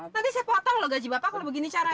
nanti saya potong loh gaji bapak kalau begini caranya